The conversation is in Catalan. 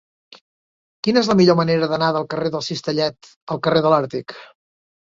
Quina és la millor manera d'anar del carrer del Cistellet al carrer de l'Àrtic?